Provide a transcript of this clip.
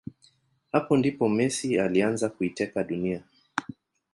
Hapa ndipo Messi alianza kuiteka dunia